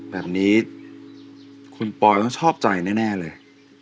แบบนี้คุณปอยต้องชอบใจแน่เลย